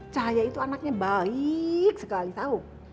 cahaya itu anaknya baik sekali tahu